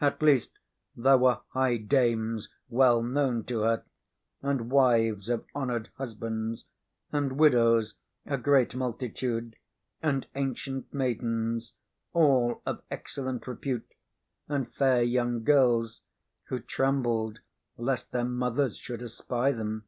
At least there were high dames well known to her, and wives of honored husbands, and widows, a great multitude, and ancient maidens, all of excellent repute, and fair young girls, who trembled lest their mothers should espy them.